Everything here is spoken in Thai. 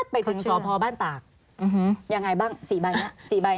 ไปถึงสพบตยังไงบ้าง๔ใบนะ